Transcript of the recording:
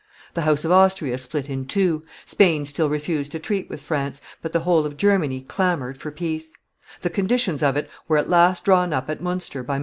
The house of Austria split in two; Spain still refused to treat with France, but the whole of Germany clamored for peace; the conditions of it were at last drawn up at Munster by MM.